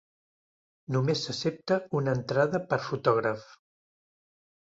Només s'accepta una entrada per fotògraf.